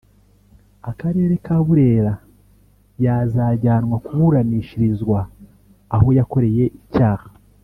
Akarere ka Burera yazajyanwa kuburanishirizwa aho yakoreye icyaha